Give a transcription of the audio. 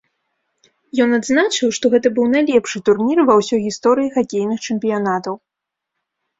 Ён адзначыў, што гэта быў найлепшы турнір ва ўсёй гісторыі хакейных чэмпіянатаў.